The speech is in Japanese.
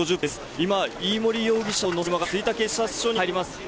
今、飯森容疑者を乗せた車が吹田警察署に入ります。